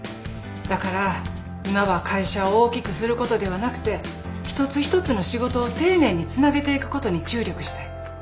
だから今は会社を大きくすることではなくて一つ一つの仕事を丁寧につなげていくことに注力したい。